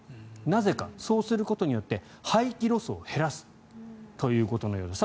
なぜか、そうすることによって廃棄ロスを減らすということのようです。